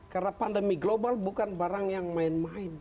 karena pandemi global bukan barang yang main main